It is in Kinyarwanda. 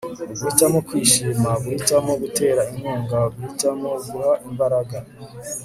guhitamo kwishima, guhitamo gutera inkunga, guhitamo guha imbaraga